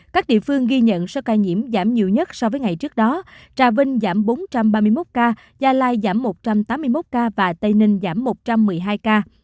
các địa phương ghi nhận số ca nhiễm giảm nhiều nhất so với ngày trước đó trà vinh giảm bốn trăm ba mươi một ca gia lai giảm một trăm tám mươi một ca và tây ninh giảm một trăm một mươi hai ca